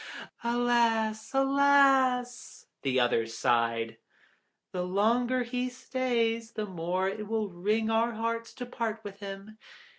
"Alas, alas!" the others sighed. "The longer he stays, the more it will wring our hearts to part with him.